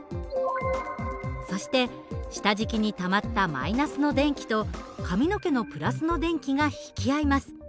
そして下敷きにたまった−の電気と髪の毛の＋の電気が引き合います。